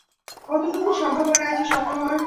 কতটুকু সম্ভাবনা আছে সফল হওয়ার?